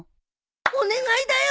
お願いだよ！